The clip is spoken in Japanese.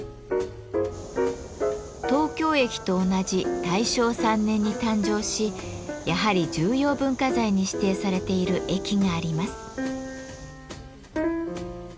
東京駅と同じ大正３年に誕生しやはり重要文化財に指定されている駅があります。